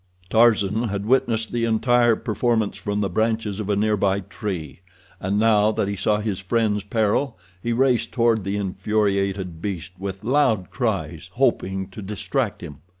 Tarzan had witnessed the entire performance from the branches of a nearby tree, and now that he saw his friend's peril he raced toward the infuriated beast with loud cries, hoping to distract him.